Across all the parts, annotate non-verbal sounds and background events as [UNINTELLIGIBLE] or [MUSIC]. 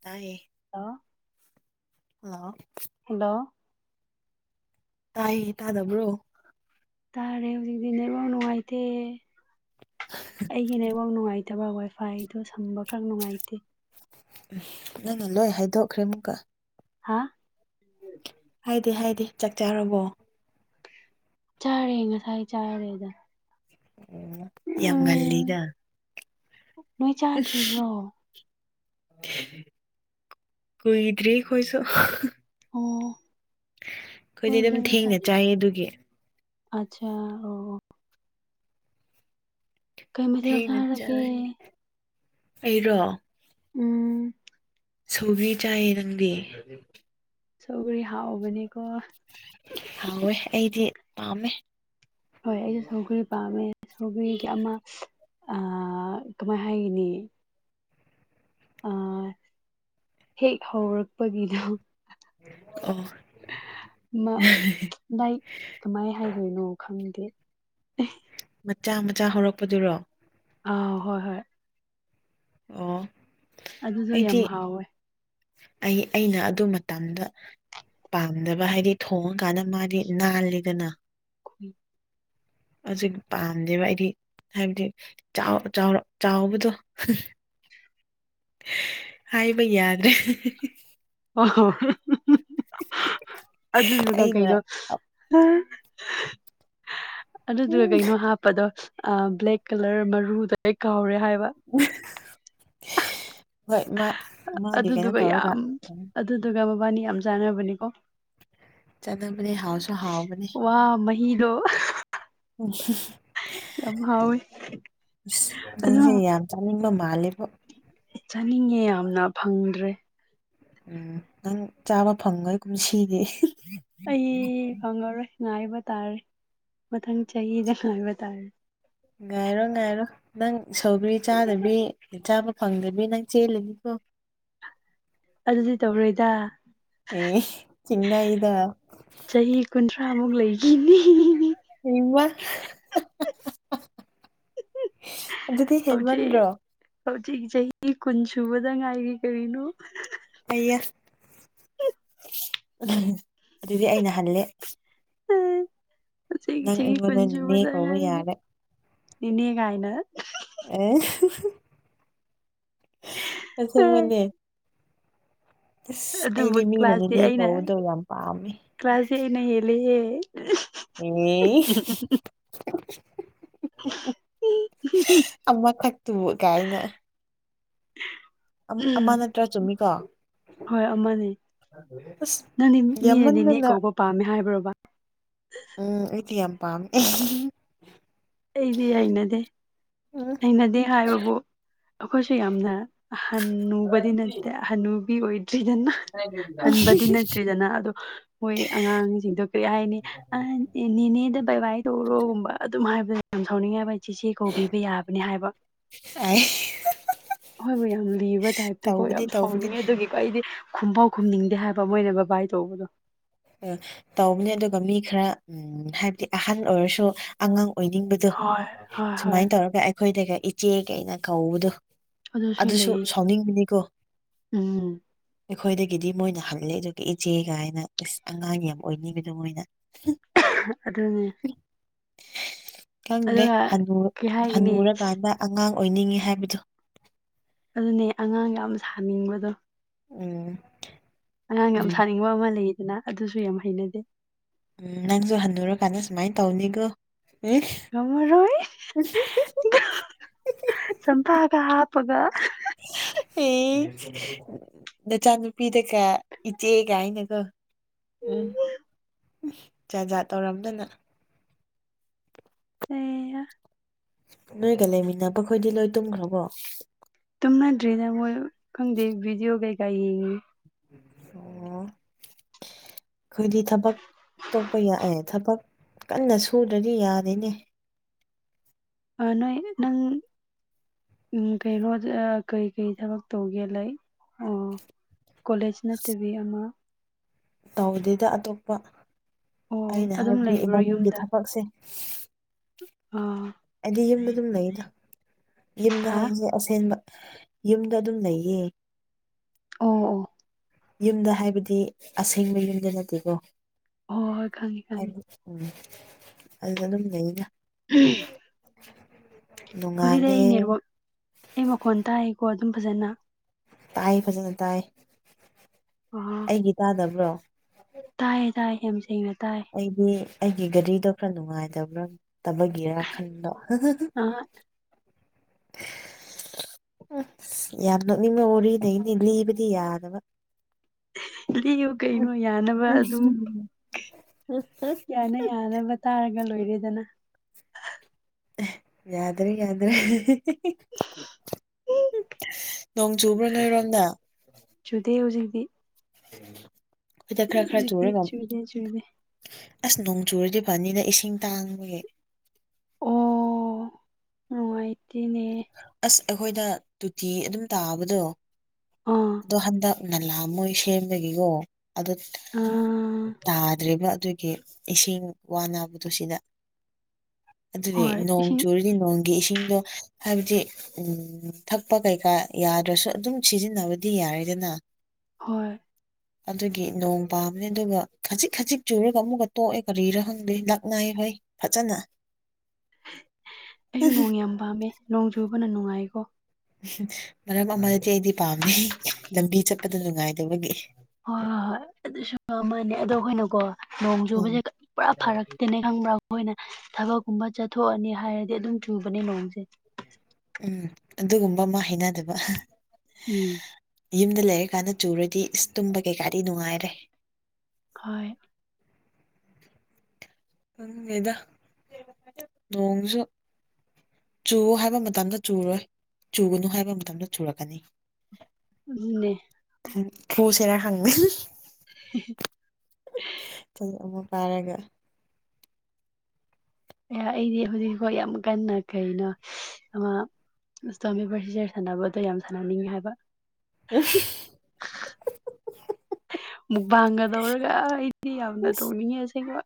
ꯇꯥꯏꯌꯦ hello hello hello ꯇꯥꯏꯌꯦ ꯇꯗꯕ꯭ꯔꯣ ꯇꯥꯔꯦ ꯍꯧꯖꯤꯛꯇꯤ ꯅꯦꯠꯋꯥꯛ ꯅꯨꯡꯉꯥꯏꯇꯦ ꯑꯩꯒꯤ ꯅꯦꯠꯋꯥꯛ ꯅꯨꯡꯉꯥꯏ ꯇꯕꯥ ꯋꯥꯏꯐꯥꯏꯗꯣ ꯁꯝꯕꯈꯛ ꯅꯨꯡꯉꯥꯏꯇꯦ ꯎꯝ ꯅꯪꯅ ꯂꯣꯏ ꯍꯥꯏꯗꯣꯛꯈ꯭ꯔꯦ ꯑꯃꯨꯛꯀ ꯍꯥꯥ ꯍꯥꯏꯗꯦ ꯍꯥꯏꯗꯦ ꯆꯥꯛ ꯆꯥꯔꯕꯣ ꯆꯥꯔꯦ ꯉꯁꯥꯏ ꯆꯥꯔꯦꯗ ꯑꫭ ꯌꯥꯝ ꯎꯝ ꯉꯜꯂꯤꯗ ꯅꯣꯏ ꯆꯥꯗ꯭ꯔꯤꯕ꯭ꯔꯣ ꯀꯨꯏꯗ꯭꯭ꯔꯤ ꯈꯣꯏꯁꯨ ꯑꯣ ꯑꯩꯈꯣꯏꯗꯤ ꯑꯗꯨꯝ ꯍꯣꯏꯗ ꯊꯦꯡꯅ ꯍꯥꯏꯗꯤ ꯆꯥꯏꯌꯦ ꯑꯗꯨꯒꯤ ꯑꯠꯁꯥ ꯑꯣ ꯀꯩ ꯃꯊꯦꯜ ꯊꯦꯡꯅ ꯆꯥꯔꯒꯦ ꯆꯠꯂꯅꯤ ꯑꯩꯔꯣ ꯎꯝ꯫ ꯁꯧꯒ꯭ꯔꯤ ꯆꯥꯏꯌꯦ ꯅꯪꯗꯤ ꯁꯧꯒ꯭ꯔꯤ ꯍꯥꯥꯎꯕꯅꯤꯀꯣ ꯍꯥꯎꯋꯦ ꯑꯩꯗꯤ ꯄꯥꯝꯃꯦ ꯍꯣꯏ ꯑꯩꯁꯨ ꯁꯧꯒ꯭ꯔꯤ ꯄꯥꯝꯃꯦ ꯁꯧꯒ꯭ꯔꯤꯁꯦ ꯑꯃ ꯑ ꯀꯃꯥꯏ ꯍꯥꯏꯒꯅꯤ ꯑ ꯍꯦꯛ ꯍꯧꯔꯛꯄꯒꯤꯗꯣ ꯑꯣ ꯂꯥꯥꯏꯛ ꯀꯃꯥꯏ ꯍꯥꯏꯗꯣꯏꯅꯣ ꯈꯪꯗꯦ ꯃꯆꯥ ꯃꯆꯥ ꯍꯧꯔꯛꯄꯗꯨꯔꯣ ꯑ ꯍꯣꯏ ꯍꯣꯏ ꯑꯣ ꯑꯗꯨꯗꯣ ꯑꯩꯗꯤ ꯌꯥꯝ ꯍꯥꯎꯋꯦ ꯑꯩ ꯑꯩꯅ ꯑꯗꯨ ꯃꯇꯝꯗ ꯄꯥꯝꯗꯕ ꯍꯥꯏꯗꯤ ꯊꯣꯡꯉꯀꯥꯟꯗ ꯃꯥꯗꯤ ꯅꯥꯜꯂꯤꯗꯅ ꯈꫭꯏ ꯍꯧꯖꯤꯛ ꯄꯥꯝꯗꯦꯕ ꯑꯩꯗꯤ ꯍꯥꯏꯕꯗꯤ ꯆꯥꯎ ꯆꯥꯎꯔ ꯆꯥꯎꯕꯗꯣ ꯍꯥꯏꯕ ꯌꯥꯗ꯭ꯔꯦ ꯑꯣ ꯍꯣ ꯑꯗꯨꯗꯨꯒ ꯑꯩꯅ ꯀꯩꯅꯣ ꯍꯥ ꯑꯗꯨꯗꯨꯒ ꯎꯝ ꯀꯩꯅꯣ ꯍꯥꯞꯄꯗꯣ ꯑ ꯕ꯭ꯂꯦꯛ ꯀꯂꯔ ꯃꯔꯨꯗꫭ ꯑꯩ ꯀꯥꯎꯔꯦ ꯍꯥꯏꯕ ꯍꯣꯏ ꯃꯥ ꯃꯥꯒꯤ ꯀꯩꯅꯣ ꯑꯗꯨꯗꯨꯒ ꯇꯧꯔꯒ ꯌꯥꯝ ꯐꯥꯅꯤ ꯑꯗꯨꯗꯨꯒ ꯃꯕꯥꯅꯤ ꯌꯥꯝ ꯆꯥꯟꯅꯕꯅꯤꯀꯣ ꯆꯥꯟꯅꯕꯅꯦ ꯍꯥꯎꯁꯨ ꯍꯥꯎꯕꯅꯦ ꯋꯥ ꯃꯍꯤꯗꯣ ꯌꯥꯝ ꯍꯥꯎꯋꯤ ꯎꯁ ꯅꯪꯁꯤ ꯑꯗꯨꯝ ꯌꯥꯝ ꯆꯅꯤꯡꯕ ꯃꯥꯜꯂꯦꯕꯣ ꯆꯅꯤꯡꯉꯦ ꯌꯥꯝꯅ ꯐꯪꯗ꯭ꯔꯦ ꯎꯝ ꯅꯪ ꯆꯥꯕ ꯐꯪꯉꯣꯢ ꯀꯨꯝꯁꯤꯗꯤ ꯑꯩ ꯐꯪꯉꯥꯔꯣꯏ ꯉꯥꯏꯕ ꯇꯥꯔꯦ ꯃꯊꯪ ꯆꯍꯤꯗ ꯉꯥꯏꯕ ꯇꯥꯔꯦ ꯉꯥꯏꯔꯣ ꯉꯥꯏꯔꯣ ꯅꯪ ꯁꯧꯒ꯭ꯔꯤ ꯆꯥꯗꯕꯤ ꯆꯥꯕ ꯐꯪꯗꯕꯤ ꯅꯪ ꯆꯦꯜꯂꯤꯅꯤꯀꯣ ꯑꯗꯨꯗꯤ ꯇꯧꯔꯣꯏꯗ ꯏ ꯆꯤꯡꯅꯩꯗ ꯆꯍꯤ ꯀꯨꯟꯊ꯭ꯔꯥꯃꯨꯛ ꯂꯩꯒꯤꯅꯤ [UNINTELLIGIBLE] [UNINTELLIGIBLE] ꯑꯗꯨꯗꯤ [UNINTELLIGIBLE] ꯍꯧꯖꯤꯛ ꯍꯦꯟꯃꯟꯗ꯭ꯔꯣ ꯍꯧꯖꯤꯛ ꯆꯍꯤ ꯀꯨꯟ ꯁꯨꯕꯗ ꯉꯥꯏꯔꯤ ꯀꯔꯤꯅꯣ [UNINTELLIGIBLE] ꯑꯩꯌꯥ [UNINTELLIGIBLE] ꯑꯗꯨꯗꯤ ꯑꯩꯅ ꯍꯜꯂꯦ ꯆꯍꯤ ꯅꯪ ꯆꯍꯤ ꯀꯨꯟ ꯑꯩꯉꯣꯟꯗ ꯅꯦꯅꯦ ꯁꯨꯕꯗ ꯀꯧꯕ ꯉꯥꯏꯔꯤꯅꯦ ꯌꯥꯔꯦ ꯅꯦꯅꯦ ꯒꯥꯏꯅ ꯑꯦ [UNINTELLIGIBLE] [UNINTELLIGIBLE] ꯑꯦ ꯑꯁꯦꯡꯕꯅꯦ ꯑꯁ ꯑꯗꯨꯕꯨ ꯑꯩꯗꯤ ꯃꯤꯅ ꯀ꯭ꯂꯥꯁꯇꯤ ꯅꯦꯅꯦ ꯑꯩꯅ ꯀꯧꯕꯗꯣ ꯌꯥꯝ ꯄꯥꯝꯃꯦ ꯀ꯭ꯂꯥꯁꯇꯤ ꯑꯩꯅ ꯍꯦꯜꯂꯤꯍꯦ [UNINTELLIGIBLE] ꯏ [UNINTELLIGIBLE] [UNINTELLIGIBLE] ꯑꯃꯈꯛꯇꯨꯕꯨ ꯀꯥꯏꯅ ꯑꯝ ꯑꯃ ꯅꯠꯇ꯭ꯔ ꯆꯨꯝꯃꯤꯀꯣ ꯍꯣꯏ ꯑꯃꯅꯤ ꯑꯁ ꯅꯪꯗꯤ ꯃꯤꯅ ꯅꯦꯅꯦ ꯌꯥꯝꯃꯟꯗꯅ ꯀꯧꯕ ꯄꯥꯝꯃꯦ ꯍꯥꯏꯕ꯭ꯔꯣꯕ ꯎꯝ ꯑꯩꯗꯤ ꯌꯥꯝ ꯄꯥꯝꯃꯤ [UNINTELLIGIBLE] ꯑꯩꯗꯤ ꯍꯩꯅꯗꯦ ꯎꯝ ꯅꯗꯦ ꯍꯥꯏꯕꯕꯨ ꯑꯈꯣꯏꯁꯨ ꯌꯥꯝꯅ ꯍꯅꯨꯕꯗꯤ ꯅꯠꯇꯦ ꯍꯟꯅꯨꯕꯤ ꯑꯣꯏ ꯗ꯭ꯔꯤꯗꯅ ꯍꯟꯕꯗꯤ ꯅꯠꯇ꯭ꯔꯤꯗꯅ ꯑꯗꯣ ꯃꯣꯏ ꯑꯉꯥꯡꯖꯤꯡꯗꯣ ꯀꯩ ꯍꯥꯏꯅꯤ ꯑ ꯅꯦ ꯅꯦꯅꯦꯗ ꯕꯥꯏꯕꯥꯏ ꯇꯧꯔꯣꯒꯨꯝꯕ ꯑꯗꯨꯝ ꯍꯥꯏꯕ ꯌꯥꯝ ꯁꯥꯎꯅꯤꯡꯉꯦꯕ ꯑꯩ ꯆꯦꯆꯦ ꯀꯧꯕꯤꯕ ꯌꯥꯕꯅꯤ ꯍꯥꯏꯕ ꯑꯩ ꯍꯣꯏꯕꯨ ꯌꯥꯝ ꯂꯤꯕ ꯇꯥꯏꯞꯇꯣ ꯀꯣ ꯇꯧꯕꯗꯤ ꯌꯥꯝ ꯇꯧꯕꯗꯤ ꯁꯥꯎꯅꯤꯡꯉꯦ ꯑꯗꯨꯒꯤ ꯑꯩꯗꯤ ꯈꯨꯝꯐꯥꯎ ꯈꯨꯝꯅꯤꯡꯗꯦ ꯍꯥꯏꯕ ꯃꯣꯏꯅ ꯕꯥꯕꯥꯏ ꯇꯧꯕꯗꯣ ꯑ ꯇꯧꯕꯅꯦ ꯑꯗꯨꯒ ꯃꯤ ꯈꯔ ꯎꯝ ꯍꯥꯏꯕꯗꯤ ꯑꯍꯟ ꯑꯣꯏꯔꯁꯨ ꯑꯉꯥꯡ ꯑꯣꯏꯅꯤꯡꯕ ꯇꯨ ꯍꯣꯏ ꯍꯣꯏ ꯍꯣꯏ ꯁꯨꯃꯥꯏ ꯇꯧꯔꯒ ꯑꯩꯈꯣꯏꯗꯒ ꯏꯆꯦ ꯀꯥꯏꯅ ꯀꯧꯕꯗꯨ ꯑꯗꯨꯁꯨ ꯁꯥꯎꯅꯤꯡꯉꯅꯤꯀꯣ ꯎꯝ ꯑꯩꯈꯣꯏꯗꯒꯤꯗꯤ ꯃꯣꯏꯅ ꯍꯜꯂꯦ ꯑꯗꯨꯒ ꯏꯆꯦꯒꯥꯏꯅ ꯢꯁ ꯑꯉꯥꯡ ꯌꯥꯝ ꯑꯣꯏꯅꯤꯡꯉꯤꯗꯣ ꯃꯣꯏꯅ ꯍꯥ ꯑꯗꯨꯅꯤ [UNINTELLIGIBLE] ꯈꯪꯗꯦ ꯍꯅꯨ ꯀꯩ ꯍꯥꯏꯒꯅꯤ ꯍꯅꯨꯔꯀꯥꯟꯗ ꯑꯉꯥꯡ ꯑꯣꯏꯅꯤꯡꯉꯤ ꯍꯥꯏꯕꯗꯨ ꯑꯗꯨꯅꯦ ꯑꯉꯥꯡ ꯌꯥꯝ ꯁꯥꯅꯤꯡꯕꯗꯣ ꯎꯝ ꯑꯉꯥꯡ ꯌꯥꯝ ꯎꯝ ꯁꯥꯅꯤꯡꯕ ꯑꯃ ꯂꯩꯗꯅ ꯑꯗꯨꯁꯨ ꯌꯥꯝ ꯍꯩꯅꯗꯦ ꯎꯝ ꯅꯪꯁꯨ ꯍꯟꯅꯨꯔꯀꯥꯟꯗ ꯁꯨꯃꯥꯏ ꯇꯧꯅꯤꯀꯣ ꯎꯝ ꯉꯝꯃꯔꯣꯏ [UNINTELLIGIBLE] ꯁꯝꯐꯥꯗ ꯍꯥꯞꯄꯥꯒꯥ [UNINTELLIGIBLE] ꯑꯦ [UNINTELLIGIBLE] ꯅꯆꯥꯅꯨꯄꯤꯗꯒ ꯏꯆꯦꯒꯥꯏꯅ ꯀꯣ ꯎꯝ ꯎꯝ ꯖꯥꯠ ꯖꯥꯠ ꯇꯧꯔꯝꯗꯅ ꯑꯩ ꯅꯣꯏꯒ ꯂꯩꯃꯤꯟꯅꯕꯈꯣꯏꯗꯤ ꯂꯣꯏ ꯇꯨꯝꯈ꯭ꯔꯕꯣ ꯇꯨꯝꯅꯗ꯭ꯔꯤꯗ ꯃꯣꯏ ꯈꯪꯗꯦ ꯚꯤꯗꯤꯑꯣ ꯀꯩꯀꯥ ꯌꯦꯡꯉꯤ [INAUDIBLE] [UNINTELLIGIBLE] ꯑꯈꯣꯏꯗꯤ ꯊꯕꯛ ꯇꯣꯛꯄ ꯌꯥ ꯑꯦ ꯊꯕꯛ ꯀꯟꯅ ꯁꯨꯗ꯭ꯔꯗꯤ ꯌꯥꯗꯦꯅꯦ ꯑ ꯅꯣꯏ ꯅꯪ ꯎꯝ ꯀꯩ ꯍꯣꯠ ꯑꯥ ꯀꯩ ꯀꯩ ꯊꯕꯛ ꯇꯧꯒꯦ ꯂꯩ ꯑꯣ ꯀꯣꯂꯦꯖ ꯅꯠꯇꯕꯤ ꯑꯃ ꯇꯧꯗꯦꯗ ꯑꯇꯣꯞꯄ ꯑꯣ ꯑꯩꯅ ꯑꯗꯨꯝ ꯍꯥꯏꯕꯗꯤ ꯂꯩꯕ꯭ꯔꯣ ꯏꯕꯥꯅꯤꯒꯤ ꯌꯨꯝꯗ ꯊꯕꯛꯁꯦ ꯑꯥ ꯑꯩꯗꯤ ꯌꯨꯝꯗ ꯑꯗꯨꯝ ꯂꯩꯗ ꯌꯨꯝꯗ ꯍꯥ ꯍꯥꯏꯁꯦ ꯑꯁꯦꯡꯕ ꯌꯨꯝꯗ ꯑꯗꯨꯝ ꯂꯩꯌꯦ ꯑꯣ ꯑꯣ ꯌꯨꯝꯗ ꯍꯥꯏꯕꯗꯤ ꯑꯁꯦꯡꯕ ꯌꯨꯝꯗ ꯅꯠꯇꯦꯀꯣ ꯍꯣꯏ ꯍꯣꯏ ꯈꯪꯉꯤ ꯈꯪꯉꯤ ꯍꯥꯏꯕꯗꯤ ꯎꯝ ꯑꯗꯨꯗ ꯑꯗꯨꯝ ꯂꯩꯗ [UNINTELLIGIBLE] ꯍꯧꯖꯤꯛꯗꯤ ꯅꯣꯡꯉꯥꯜꯂꯦ ꯑꯩ ꯅꯦꯠꯋꯥꯛ ꯑꯩ ꯃꯈꯣꯟ ꯇꯥꯏꯀꯣ ꯑꯗꯨꯝ ꯐꯖꯅ ꯇꯥꯏ ꯐꯖꯅ ꯇꯥꯏ ꯑꯣ ꯑꯩꯒꯤ ꯇꯥꯗꯕ꯭ꯔꯣ ꯇꯥꯏ ꯇꯥꯏ ꯌꯥꯝ ꯁꯦꯡꯅ ꯇꯥꯏ ꯑꯩꯗꯤ ꯑꯩꯒꯤ ꯒꯥꯔꯤꯗꯣ ꯈꯔ ꯅꯨꯡꯉꯥꯏꯇꯕ꯭ꯔꯥ ꯇꯕꯒꯤꯔꯥ ꯈꯟꯕ [UNINTELLIGIBLE] [INAUDIBLE] ꯎꯝ ꯌꯥꯝ ꯅꯣꯛꯅꯤꯡꯕ ꯋꯥꯔꯤ ꯂꯩꯅꯦ ꯂꯤꯕꯗꯤ ꯌꯥꯗꯕ ꯂꯤꯌꯣ ꯀꯩꯅꯣ ꯌꯥꯅꯕ ꯎꯝ ꯑꯗꯨꯝ ꯌꯥꯅ [UNINTELLIGIBLE] ꯌꯥꯅꯕ ꯇꯥꯔꯒ ꯂꯣꯏꯔꯦꯗꯅ ꯑꯦ ꯌꯥꯗ꯭ꯔꯦ ꯌꯥꯗ꯭ꯔꯦ ꯅꯣꯡ ꯆꯨꯕ꯭ꯔꯣ ꯅꯣꯏꯔꯣꯝꯗ ꯆꯨꯗꯦ ꯍꯧꯖꯤꯛꯇꯤ ꯁꯤꯗ ꯈꯔ ꯈꯔ ꯍꯧꯖꯤꯛꯇꯤ ꯆꯨꯔꯦꯕ ꯆꯨꯗꯦ ꯆꯨꯗꯦ ꯑꯁ ꯅꯣꯡ ꯆꯨꯔꯗꯤ ꯐꯅꯤꯗ ꯏꯁꯤꯡ ꯇꯥꯡꯉꯦ ꯑꯣ ꯅꯨꯡꯉꯥꯏ ꯇꯦꯅꯦ ꯑꯁ ꯑꯩꯈꯣꯏꯗ ꯇꯨꯇꯤ ꯑꯗꯨꯝ ꯇꯥꯕꯗꯣ ꯑꯥ ꯑꯗꯣ ꯍꯟꯗꯛ ꯅꯂꯥ ꯃꯣꯏ ꯁꯦꯝꯕꯒꯤꯀꯣ ꯑꯗꯨ ꯑꯥ ꯇꯥꯗ꯭ꯔꯦꯕ ꯑꯗꯨꯒꯤ ꯏꯁꯤꯡ ꯋꯥꯅꯕꯗꯨ ꯁꯤꯗ ꯑꯗꯨꯅꯦ ꯍꯣꯏ ꯅꯣꯡ ꯏꯁꯤꯡ ꯆꯨꯨꯔꯗꯤ ꯅꯣꯡꯒꯤ ꯏꯁꯤꯡꯗꯣ ꯍꯥꯏꯕꯗꯤ ꯎꯝ ꯊꯛꯄ ꯀꯩꯀꯥ ꯌꯥꯗ꯭ꯔꯁꯨ ꯑꯗꯨꯝ ꯁꯤꯖꯤꯟꯅꯕꯗꯤ ꯌꯥꯔꯦꯗꯅ ꯍꯣꯏ ꯑꯗꯨꯒꯤ ꯅꯣꯡ ꯄꯥꯝꯕꯅꯦ ꯑꯗꯨꯒ ꯈꯖꯤꯛ ꯈꯖꯤꯛ ꯆꯨꯔꯒ ꯑꯃꯨꯛꯀ ꯇꯣꯛꯑꯦ ꯀꯔꯤꯔꯥ ꯈꯪꯗꯦ ꯂꯛꯅꯩ [UNINTELLIGIBLE] ꯐꯖꯅ ꯑꯩꯁꯨ ꯅꯣꯡ ꯌꯥꯝ ꯄꯥꯝꯃꯦ ꯅꯣꯡ ꯆꯨꯕꯅ ꯅꯨꯡꯉꯥꯏꯀꯣ ꯃꯔꯝ ꯑꯃꯗꯗꯤ ꯑꯩꯗꯤ ꯄꯥꯝꯗꯦ ꯂꯝꯕꯤ ꯆꯠꯄꯗ ꯅꯨꯡꯉꯥꯏꯇꯕꯒꯤ ꯍꯣꯏ ꯍꯣꯏ ꯍꯣꯏ ꯑꯗꯨꯁꯨ ꯑꯃꯅꯦ ꯑꯗꯣ ꯑꯩꯈꯣꯏꯅꯀꯣ ꯅꯣꯡ ꯎꯝ ꯆꯨꯕꯖꯦ ꯄꯨꯔꯥ ꯐꯔꯛꯇꯤꯅꯦ ꯈꯪꯕ꯭ꯔꯥ ꯃꯣꯏꯅ ꯊꯕꯛꯀꯨꯝꯕ ꯆꯠꯊꯣꯛꯑꯅꯤ ꯍꯥꯏꯔꯗꯤ ꯑꯗꯨꯝ ꯆꯨꯕꯅꯦ ꯅꯣꯡꯁꯦ ꯎꯝ ꯑꯗꯨꯒꯨꯝꯕ ꯑꯃ ꯍꯩꯅꯗꯕ ꯎꯝ ꯌꯨꯝꯗ ꯂꯩꯔꯀꯥꯟꯗ ꯆꯨꯔꯗꯤ ꯏꯁ ꯇꯨꯝꯕ ꯀꯩꯀꯥꯗꯤ ꯅꯨꯡꯉꯥꯏꯔꯦ ꯍꯣꯏ ꯈꯪꯗꯦꯗ ꯅꯣꯡꯁꯨ ꯆꯨ ꯍꯥꯏꯕ ꯃꯇꯝꯗ ꯆꯨꯔꯣꯏ ꯆꯨꯒꯅꯨ ꯍꯥꯏꯕ ꯃꯇꯝꯗ ꯆꯨꯔꯛꯀꯅꯤ ꯑꯗꯨꯅꯦ ꯐꯨꯁꯦꯔ ꯈꯪꯗꯦ [UNINTELLIGIBLE] ꯆꯩ ꯑꯃ ꯄꯥꯏꯔꯒ ꯑꯦ ꯑꯩꯗꯤ ꯍꯧꯖꯤꯛꯐꯥꯎ ꯌꯥꯝ ꯀꯟꯅ ꯀꯩꯅꯣ ꯑꯃ ꯁ꯭ꯇꯣꯝ ꯄꯦꯄꯔ ꯁꯤꯖꯔ ꯁꯥꯟꯅꯕꯗꯣ ꯌꯥꯝ ꯁꯥꯟꯅꯅꯤꯡꯉꯦ ꯍꯥꯏꯕ [UNINTELLIGIBLE] ꯃꯨꯛꯕꯥꯡꯒ ꯗꯧꯔꯒ ꯑ ꯑꯩꯗꯤ ꯌꯥꯝꯅ ꯇꯧꯅꯤꯡꯉꯦ ꯑꯁꯦꯡꯕ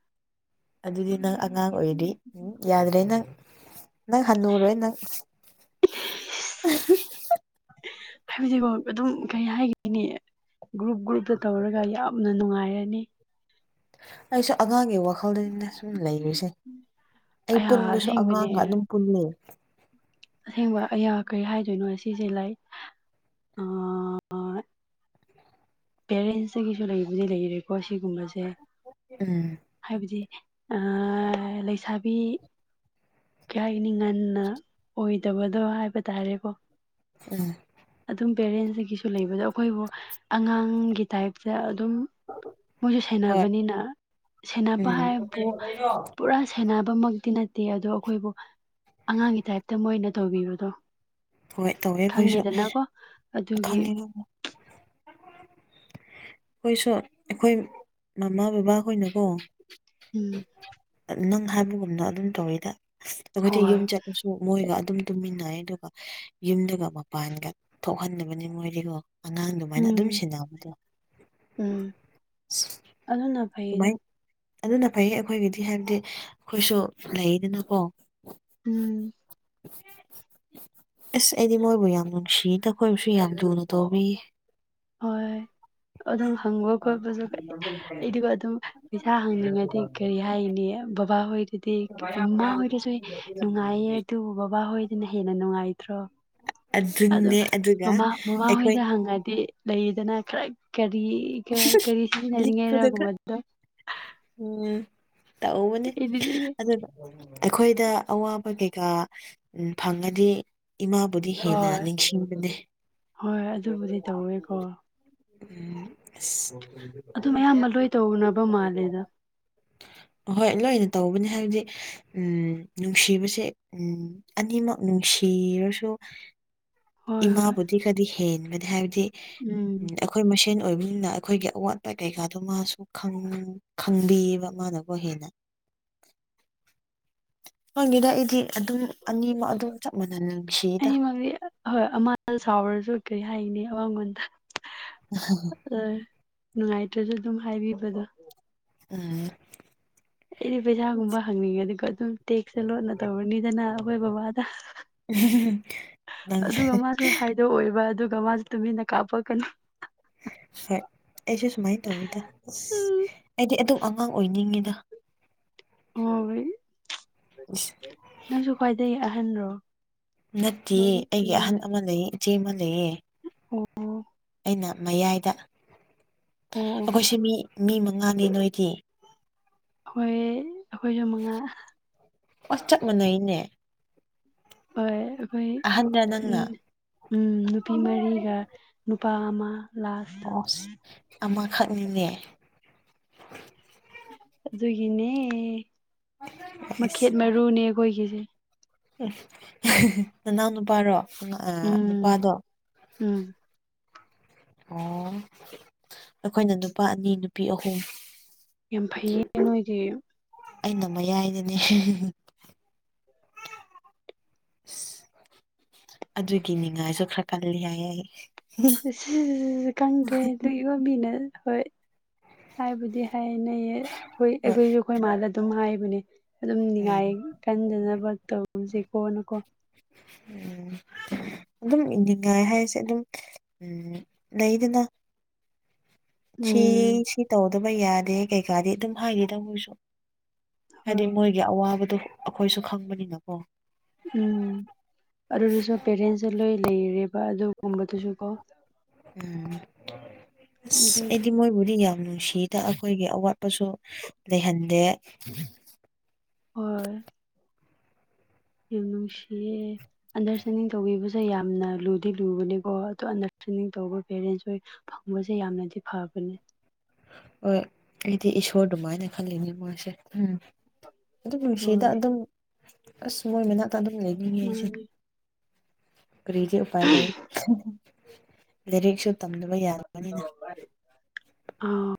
ꯑꯗꯨꯗꯤ ꯅꯪ ꯑꯉꯥꯡ ꯑꯣꯏꯔꯤ ꯎꯝ ꯌꯥꯗ꯭ꯔꯦ ꯅꯪ ꯅꯪ ꯍꯟꯅꯨꯔꯣꯏ ꯅꯪ ꯍꯥꯏꯕꯗꯤꯀꯣ ꯑꯗꯨꯝ ꯀꯩ ꯍꯥꯏꯒꯤꯅꯤ ꯒ꯭ꯔꯨꯞ ꯒ꯭ꯔꯨꯞꯇ ꯇꯧꯔꯒ ꯌꯥꯝꯅ ꯅꯨꯡꯉꯥꯏꯔꯅꯤ ꯑꯩꯁꯨ ꯑꯉꯥꯡꯒꯤ ꯋꯥꯈꯜꯗꯅꯤꯗ ꯁꯨꯝ ꯂꯩꯔꯤꯁꯦ ꯑꯩ ꯑꯌꯥ ꯄꯨꯟꯕꯁꯨ ꯑꯁꯦꯡꯕꯅꯦ ꯑꯉꯥꯡꯒ ꯑꯗꯨꯝ ꯄꯨꯜꯂꯦ ꯑꯁꯦꯡꯕ ꯑꯌꯥ ꯀꯔꯤ ꯍꯥꯏꯗꯣꯏꯅꯣ ꯑꯁꯤꯁꯦ ꯂꯥꯢꯛ ꯑꯥ ꯄꯦꯔꯦꯟꯁꯇꯒꯤꯁꯨ ꯂꯩꯕꯨꯗꯤ ꯂꯩꯔꯦꯀꯣ ꯑꯁꯤꯒꯨꯝꯕꯁꯦ ꯎꯝ ꯍꯥꯏꯕꯗꯤ ꯑ ꯂꯩꯁꯥꯕꯤ ꯀꯩ ꯍꯥꯏꯒꯅꯤ ꯉꯟꯅ ꯑꯣꯏꯗꯕꯗꯣ ꯍꯥꯏꯕ ꯇꯥꯔꯦꯀꯣ ꯎꯝ ꯑꯗꯨꯝ ꯄꯦꯔꯦꯟꯁꯇꯒꯤꯁꯨ ꯂꯩꯕꯗꯣ ꯑꯈꯣꯏꯕꯨ ꯑꯉꯥꯡꯒꯤ ꯇꯥꯏꯞꯇ ꯑꯗꯨꯝ ꯃꯣꯏꯁꯦ ꯍꯣꯏ ꯁꯦꯟꯅꯕꯅꯤꯅ ꯁꯦꯟꯅꯕ ꯎꯝ ꯍꯥꯏꯕꯨ ꯄꯨꯔꯥ ꯁꯦꯟꯅꯕ ꯃꯛꯇꯤ ꯅꯠꯇꯦ ꯑꯗꯣ ꯑꯈꯣꯏꯕꯨ ꯑꯉꯥꯡꯒꯤ ꯇꯥꯏꯞꯇ ꯃꯣꯏꯅ ꯇꯧꯕꯤꯕꯗꯣ ꯍꯣꯏ ꯇꯧꯋꯦ ꯑꯩꯈꯣꯏꯁꯨ ꯈꯪꯉꯦꯗꯅꯀꯣ ꯑꯗꯨꯒꯤ [UNINTELLIGIBLE] [INAUDIBLE] ꯈꯣꯏꯁꯨ ꯑꯈꯣꯏ ꯃꯥꯃꯥ ꯕꯥꯕꯥ ꯈꯣꯏꯅꯀꯣ ꯎꯝ ꯅꯪ ꯍꯥꯏꯕꯒꯨꯝꯅ ꯑꯗꯨꯝ ꯇꯧꯋꯤꯗ ꯑꯈꯣꯏꯗꯤ ꯍꯣꯏ ꯌꯨꯝ ꯆꯠꯂꯁꯨ ꯃꯣꯏꯒ ꯑꯗꯨꯝ ꯇꯨꯝꯃꯤꯟꯅꯩꯌꯦ ꯑꯗꯨꯒ ꯌꯨꯝꯗꯒ ꯃꯄꯥꯟꯒ ꯊꯣꯛꯍꯟꯗꯕꯅꯤ ꯃꯣꯏꯗꯤꯒꯣ ꯑꯉꯥꯡ ꯑꯗꯨꯃꯥꯏꯅ ꯑꯗꯨꯝ ꯎꯝ ꯁꯦꯟꯅꯕꯗꯣ ꯎꯝ ꯑꯗꯨꯅ ꯐꯩꯗ ꯁꯨꯃꯥꯏꯟ ꯑꯗꯨꯅ ꯐꯩꯌꯦ ꯑꯩꯈꯣꯏꯒꯤꯗꯤ ꯍꯥꯏꯕꯗꯤ ꯑꯩꯈꯣꯏꯁꯨ ꯂꯩꯗꯅꯀꯣ ꯎꯝ ꯑꯁ ꯑꯩꯗꯤ ꯃꯣꯏꯕꯨ ꯌꯥꯝ ꯅꯨꯡꯁꯤꯗ ꯑꯈꯣꯏꯕꯨꯁꯨ ꯌꯥꯝ ꯂꯨꯅ ꯇꯧꯕꯤ ꯍꯣꯏ ꯑꯗꯨꯝ ꯍꯪꯕ ꯈꯣꯠꯄꯁꯨ ꯀꯩ ꯑꯩꯗꯤꯀꯣ ꯑꯗꯨꯝ ꯄꯩꯁꯥ ꯍꯪꯅꯤꯡꯉꯗꯤ ꯀꯔꯤ ꯍꯥꯏꯒꯅꯤ ꯕꯥꯕꯥ ꯍꯣꯏꯗꯗꯤ ꯃꯥꯃꯥ ꯍꯣꯏꯗꯁꯨ ꯅꯨꯡꯉꯥꯏꯌꯦ ꯑꯗꯨꯕꯨ ꯕꯥꯕꯥ ꯍꯣꯏꯗꯅ ꯍꯦꯟꯅ ꯅꯨꯡꯉꯥꯏꯇ꯭ꯔꯣ ꯑꯗꯨꯝ ꯑꯗꯨꯅꯦ ꯑꯗꯨꯒ ꯃꯃꯥ ꯃꯃꯥ ꯑꯩꯈꯣꯏ ꯍꯣꯏꯗ ꯍꯪꯉꯗꯤ ꯂꯩꯗꯅ ꯈꯔꯛ ꯀꯔꯤ ꯒꯥ ꯀꯔꯤ ꯁꯤꯖꯤꯟꯅꯅꯤꯡꯉꯥꯏꯔ ꯂꯤꯛꯄꯗ ꯈꯔ ꯒꯨꯝꯕꯗꯣ ꯎꯝ ꯇꯧꯕꯅꯦ ꯑꯩꯗꯤ ꯑꯗꯨꯒ ꯑꯩꯈꯣꯏꯗ ꯑꯋꯥꯕ ꯀꯩꯀꯥ ꯎꯝ ꯐꯪꯉꯗꯤ ꯏꯃꯥꯕꯨꯗꯤ ꯍꯦꯟꯅ ꯍꯣꯏ ꯅꯤꯡꯁꯤꯡꯕꯅꯦ ꯍꯣꯏ ꯑꯗꯨꯕꯨꯗꯤ ꯇꯧꯋꯦꯀꯣ ꯎꯝ ꯑꯁ ꯑꯗꯨꯝ ꯑꯌꯥꯝꯕ ꯂꯣꯏ ꯇꯧꯅꯕ ꯃꯥꯜꯂꯦꯗ ꯍꯣꯏꯠ ꯂꯣꯏꯅ ꯇꯧꯕꯅꯦ ꯍꯥꯏꯕꯗꯤ ꯎꯝ ꯅꯨꯡꯁꯤꯕꯁꯦ ꯎꯝ ꯑꯅꯤꯃꯛ ꯅꯨꯡꯁꯤꯔꯁꯨ ꯍꯣꯏ ꯍꯣꯏ ꯏꯃꯥꯕꯨꯗꯤ ꯈꯔꯗꯤ ꯍꯦꯟꯕꯅꯦ ꯍꯥꯏꯕꯗꯤ ꯎꯝ ꯑ ꯈꯣꯏ ꯃꯁꯦꯟ ꯑꯣꯏꯕꯅꯤꯅ ꯑꯩꯈꯣꯏꯒꯤ ꯑꯋꯥꯠꯄ ꯀꯩꯀꯥꯗꯣ ꯃꯥꯁꯨ ꯈꯪ ꯈꯪꯕꯤꯌꯦꯕ ꯃꯥꯅꯀꯣ ꯍꯦꯟꯅ ꯈꯪꯗꯦꯗ ꯑꯩꯗꯤ ꯑꯗꯨꯝ ꯑꯅꯤꯃꯛ ꯑꯗꯨꯝ ꯆꯞ ꯃꯥꯟꯅꯅꯥ ꯑꯅꯤꯃꯛꯖꯤ ꯍꯣꯏ ꯑꯃꯥꯅ ꯁꯥꯎꯔꯁꯨ ꯀꯩ ꯍꯥꯏꯅꯤ ꯑꯃꯉꯣꯟꯗ [UNINTELLIGIBLE] ꯅꯨꯡꯉꯥꯏꯇ꯭ꯔꯁꯨ ꯑꯗꯨꯝ ꯍꯥꯏꯕꯤꯕꯗꯣ ꯑꯥ ꯑꯩꯗꯤ ꯄꯩꯁꯥꯒꯨꯝꯕ ꯍꯪꯅꯤꯡꯉꯗꯤꯀꯣ ꯑꯗꯨꯝ ꯇꯦꯛꯁ ꯁꯦ ꯂꯣꯟꯅ ꯇꯧꯔꯅꯤꯗꯅ ꯑꯩꯈꯣꯏ ꯕꯕꯥꯗ [UNINTELLIGIBLE] ꯖꯨ ꯍꯥꯏꯗꯣꯛꯑꯣꯏꯕ ꯑꯗꯨꯒ ꯃꯥꯁꯨ ꯇꯨꯃꯤꯟꯅ ꯀꯥꯞꯄꯛꯀꯅꯤ ꯐꯦꯛ ꯑꯩꯁꯨ ꯁꯨꯃꯥꯏꯟ ꯇꯧꯋꯤꯗ ꯑꯁ ꯑꯩꯗꯤ ꯑꯗꯨꯝ ꯑꯉꯥꯡ ꯑꯣꯏꯅꯤꯡꯉꯤꯗ ꯍꯣꯏ ꯑꯁ ꯅꯪꯁꯨ ꯈ꯭ꯋꯥꯏꯗꯩ ꯑꯍꯟꯔꯣ ꯅꯠꯇꯤꯌꯦ ꯅꯣꯏ ꯑꯩꯒꯤ ꯑꯍꯟ ꯏꯃꯨꯡꯗ ꯑꯃꯥ ꯂꯩꯌꯦ ꯏꯆꯦ ꯑꯃꯥ ꯂꯩꯌꯦ ꯑꯣ ꯑꯣ ꯑꯩꯅ ꯃꯌꯥꯏꯗ ꯑꯣ ꯑꯩꯈꯣꯏꯁꯤ ꯃꯤ ꯃꯤ ꯃꯉꯥꯅꯤ ꯅꯣꯏꯗꯤ ꯑꯈꯣꯏ ꯑꯩꯈꯣꯏꯁꯨ ꯃꯉꯥ ꯑꯁ ꯆꯞ ꯃꯥꯟꯅꯩꯅꯦ ꯍꯣꯏ ꯑꯩꯈꯣꯏ ꯑꯍꯟꯔ ꯅꯪꯅ ꯎꯝ ꯎꯝ ꯅꯨꯄꯤ ꯃꯔꯤꯒ ꯅꯨꯄꯥ ꯑꯃꯥ ꯑꯣꯁ ꯑꯃꯥꯈꯛꯅꯤꯅꯦ ꯑꯗꯨꯒꯤꯅꯦ ꯑꯁ ꯃꯈꯦꯠ ꯃꯔꯨꯅꯦ ꯑꯩꯈꯣꯏꯒꯤꯁꯦ ꯅꯅꯥꯎ ꯅꯨꯄꯥꯔꯣ ꯎꯝ ꯑꯥ ꯎꯝ ꯅꯨꯄꯥꯗꯣ ꯎꯝ ꯑꯣ ꯑꯈꯣꯏꯅ ꯅꯨꯄꯥ ꯑꯅꯤ ꯅꯨꯄꯤ ꯑꯍꯨꯝ ꯌꯥꯝ ꯐꯩꯌꯦ ꯅꯣꯏꯗꯤ ꯑꯩꯅ ꯃꯌꯥꯏꯗꯅꯦ [UNINTELLIGIBLE] ꯏꯁ ꯑꯗꯨꯒꯤ ꯅꯤꯡꯉꯥꯏꯁꯨ ꯈꯔ ꯀꯜꯂꯤ ꯍꯥꯏꯌꯦ ꯑꯩ [UNINTELLIGIBLE] ꯈꯪꯗ꯭ꯔꯦ ꯑꯗꯨ [UNINTELLIGIBLE] ꯍꯣꯏ ꯍꯥꯏꯕꯨꯗꯤ ꯍꯥꯏꯅꯩꯌꯦ ꯈꯣꯏ ꯍꯣꯏ ꯑꯩꯈꯣꯏꯖꯨ ꯈꯣꯏ ꯃꯥꯗ ꯗꯨꯝ ꯍꯥꯏꯕꯅꯦ ꯑꯗꯨꯝ ꯎꯝ ꯅꯤꯡꯉꯥꯏ ꯀꯟꯗꯅꯕ ꯇꯧꯔꯨꯖꯦꯀꯣꯅꯀꯣ ꯎꯝ ꯗꯨꯝ ꯏꯅꯤꯡꯉꯥꯏ ꯍꯥꯏꯁꯦ ꯑꯗꯨꯝ ꯎꯝ ꯂꯩꯗꯅ ꯁꯤ ꯎꯝ ꯁꯤ ꯇꯧꯗꯕ ꯌꯥꯗꯦ ꯀꯩꯀꯥꯗꯤ ꯑꯗꯨꯝ ꯍꯥꯏꯗꯦꯗ ꯃꯣꯏꯁꯨ ꯍꯥꯏꯗꯤ ꯍꯣꯏ ꯃꯣꯏ ꯒꯤ ꯑꯋꯥꯕꯗꯣ ꯑꯈꯣꯏꯁꯨ ꯈꯪꯕꯅꯤꯅꯀꯣ ꯎꯝ ꯑꯗꯨꯗꯁꯨ ꯄꯦꯔꯦꯟꯁ ꯁꯦ ꯂꯣꯏ ꯂꯩꯔꯦꯕ ꯑꯗꯨꯒꯨꯝꯕꯗꯨꯁꯨ ꯀꯣ ꯎꯝ ꯑꯁ ꯑꯩꯗꯤ ꯑꯗꯨꯒꯤ ꯃꯣꯏꯕꯨꯗꯤ ꯌꯥꯝ ꯅꯨꯡꯁꯤ ꯇꯥ ꯑꯩꯈꯣꯏꯒꯤ ꯑꯋꯥꯠꯄꯁꯨ ꯂꯩꯍꯟꯗꯦ ꯍꯣꯏ ꯌꯥꯝ ꯅꯨꯡꯁꯤꯌꯦ ꯑꯟꯗꯔꯁꯇꯦꯟꯗꯤꯡ ꯇꯧꯕꯤꯕꯁꯦ ꯌꯥꯝꯅ ꯂꯨꯗꯤ ꯂꯨꯕꯅꯦꯀꯣ ꯑꯗꯣ ꯑꯟꯗꯔꯁꯇꯦꯟꯗꯤꯡ ꯇꯧꯕ ꯄꯦꯔꯦꯟꯁ ꯍꯣꯏ ꯐꯪꯕꯁꯦ ꯌꯥꯝꯅꯗꯤ ꯐꯕꯅꯦ ꯍꯣꯏ ꯑꯩꯗꯤ ꯏꯁꯣꯔ ꯗꯨꯃꯥꯏꯅ ꯈꯜꯂꯤꯅꯤ ꯃꯣꯢꯁꯦ ꯎꯝ꯫ ꯑꯗꯨꯕꯨ ꯅꯨꯡꯁꯤꯗ ꯍꯣꯏ ꯑꯗꯨꯝ ꯑꯁ ꯃꯣꯏ ꯃꯅꯥꯛꯇ ꯑꯗꯨꯝ ꯂꯩꯅꯤꯡꯉꯦ ꯑꯩꯁꯦ꯫ ꯃꯥꯅꯦ ꯀꯔꯤꯗꯤ ꯎꯄꯥꯏ ꯂꯩ [UNINTELLIGIBLE] ꯂꯥꯏꯔꯤꯛꯁꯨ ꯇꯝꯗꯕ ꯌꯥꯗꯕꯥꯅꯤꯅ꯫ ꯑꯥꯎ꯫